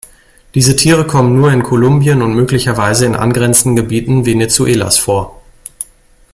Diese Tiere kommen nur in Kolumbien und möglicherweise in angrenzenden Gebieten Venezuelas vor.